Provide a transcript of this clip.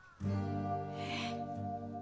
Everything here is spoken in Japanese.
えっ？